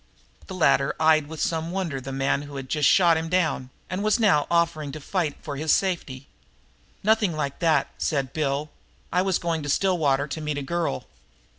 The latter eyed with some wonder the man who had just shot him down and was now offering to fight for his safety. "Nothing like that," said Bill. "I was going to Stillwater to meet a girl."